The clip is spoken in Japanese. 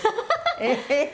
えっ？